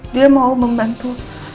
dia mau membantu